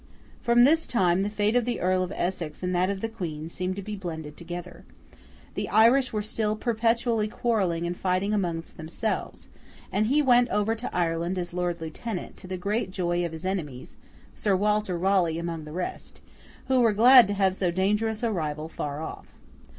From this time the fate of the Earl of Essex and that of the Queen seemed to be blended together. The Irish were still perpetually quarrelling and fighting among themselves, and he went over to Ireland as Lord Lieutenant, to the great joy of his enemies (Sir Walter Raleigh among the rest), who were glad to have so dangerous a rival far off.